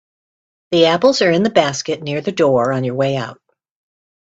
The apples are in the basket near the door on your way out.